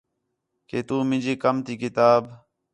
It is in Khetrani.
کہ تُو مینجی کم تی کتاب